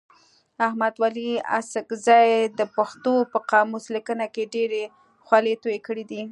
احمد ولي اڅکزي د پښتو په قاموس لیکنه کي ډېري خولې توی کړي دي.